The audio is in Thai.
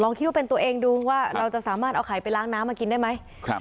คิดว่าเป็นตัวเองดูว่าเราจะสามารถเอาไข่ไปล้างน้ำมากินได้ไหม